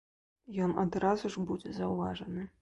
Ён адразу ж будзе заўважаны.